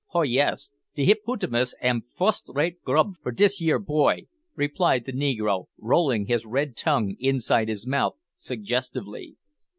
"Ho yis; de hiputmus am fust rate grub for dis yer boy," replied the negro, rolling his red tongue inside his mouth suggestively.